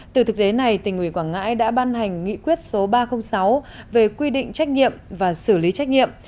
từ thực tế này tỉnh ủy quảng ngãi đã ban hành nghị quyết số ba trăm linh sáu về quy định trách nhiệm và xử lý trách nhiệm